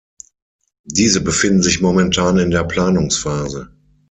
Diese befinden sich momentan in der Planungsphase.